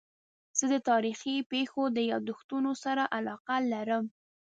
زه د تاریخي پېښو د یادښتونو سره علاقه لرم.